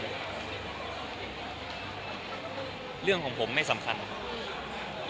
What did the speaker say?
อ่าผมว่ามันเรื่องของผมไม่สำคัญนะครับ